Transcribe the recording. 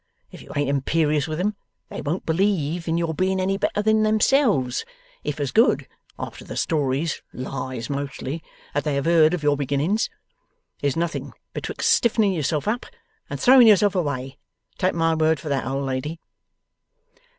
If you ain't imperious with 'em, they won't believe in your being any better than themselves, if as good, after the stories (lies mostly) that they have heard of your beginnings. There's nothing betwixt stiffening yourself up, and throwing yourself away; take my word for that, old lady.